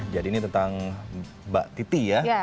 jadi ini tentang mbak titi ya